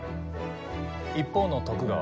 一方の徳川。